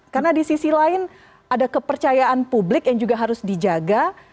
karena di sisi lain ada kepercayaan publik yang juga harus dijaga